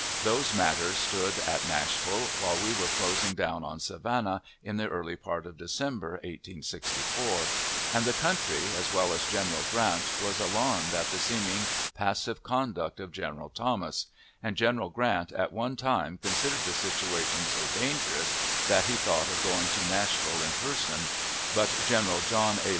Those matters stood at Nashville, while we were closing down on Savannah, in the early part of December, 1864; and the country, as well as General Grant, was alarmed at the seeming passive conduct of General Thomas; and General Grant at one time considered the situation so dangerous that he thought of going to Nashville in person, but General John A.